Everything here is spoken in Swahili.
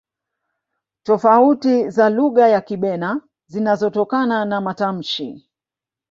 tofauti za lugha ya kibena zinazotokana na matamshi